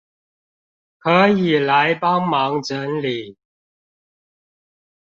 可以來幫忙整理